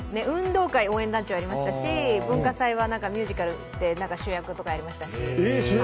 運動会、応援団長やりましたし文化祭はミュージカルで主役とかやりましたし。